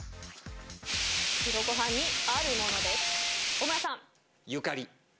大村さん。